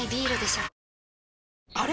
あれ？